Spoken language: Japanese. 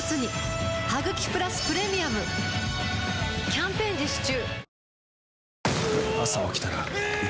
キャンペーン実施中